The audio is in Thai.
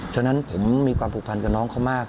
ฉะนั้นผมมีความผูกพันกับน้องเขามาก